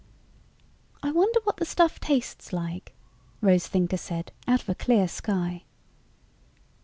"I wonder what the stuff tastes like," Rose Thinker said out of a clear sky.